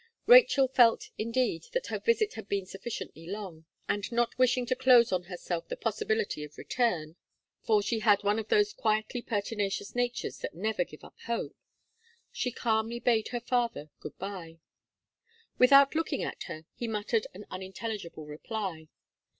Rachel felt, indeed, that her visit had been sufficiently long, and not wishing to close on herself the possibility of return for she had one of those quietly pertinacious natures that never give up hope she calmly bade her father good bye. Without looking at her, he muttered an unintelligible reply.